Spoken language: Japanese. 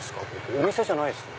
お店じゃないですね。